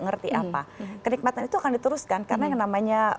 ngerti apa kenikmatan itu akan diteruskan karena yang namanya